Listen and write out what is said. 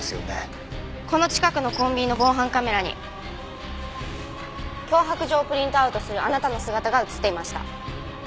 この近くのコンビニの防犯カメラに脅迫状をプリントアウトするあなたの姿が映っていました。